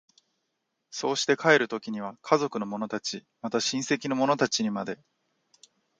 そうして帰る時には家族の者たち、また親戚の者たちにまで、